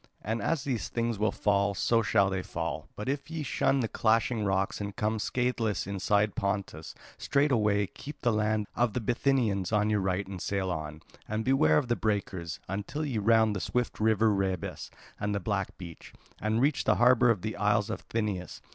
And as these things will fall, so shall they fall. But if ye shun the clashing rocks and come scatheless inside Pontus, straightway keep the land of the Bithynians on your right and sail on, and beware of the breakers, until ye round the swift river Rhebas and the black beach, and reach the harbour of the Isle of Thynias.